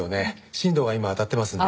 新藤が今あたってますので。